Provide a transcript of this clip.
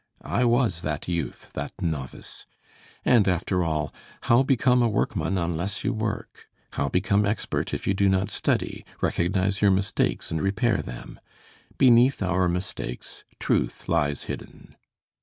I was that youth, that novice. And after all, how become a workman unless you work? how become expert if you do not study, recognize your mistakes and repair them? Beneath our mistakes truth lies hidden.